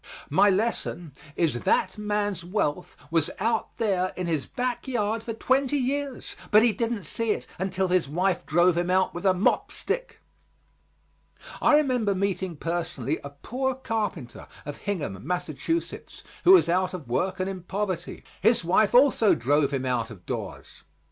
My lesson is that man's wealth was out there in his back yard for twenty years, but he didn't see it until his wife drove him out with a mop stick. I remember meeting personally a poor carpenter of Hingham, Massachusetts, who was out of work and in poverty. His wife also drove him out of doors.